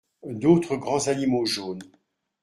D’autres grands animaux jaunes.